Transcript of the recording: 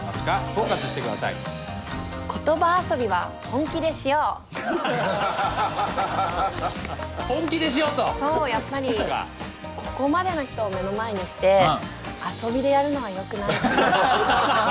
そうやっぱりここまでの人を目の前にして遊びでやるのはよくないかな。